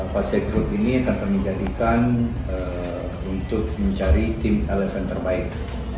pasir grup ini akan termijadikan untuk mencari tim elemen terbaik